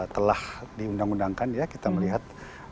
telah diundang undangkan ya kita melihat